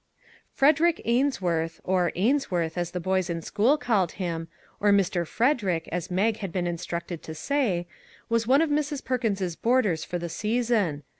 Frederick Ainsworth, or " Ainsworth," as the boys in school called him, or " Mr. Fred erick," as Mag had been instructed to say, was one of Mrs. Perkins's boarders for the season.